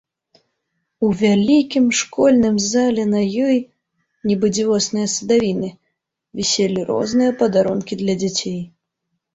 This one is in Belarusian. У вялікім школьным зале на ёй, нібы дзівосныя садавіны, віселі розныя падарункі для дзяцей.